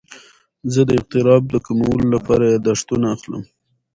زه د اضطراب د کمولو لپاره یاداښتونه اخلم.